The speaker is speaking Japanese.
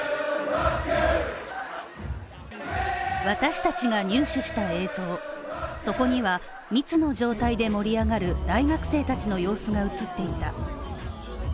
私達が入手した映像、そこには密の状態で盛り上がる大学生たちの様子が映っていた。